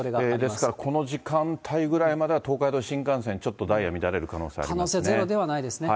ですからこの時間帯ぐらいまでは、東海道新幹線、ちょっとダ可能性ゼロではないですね。